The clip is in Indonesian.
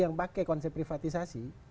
yang pakai konsep privatisasi